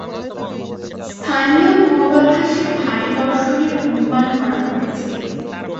স্থানীয় পূর্বাভাসে ভারী বর্ষণের অনুমান করা হয়েছে।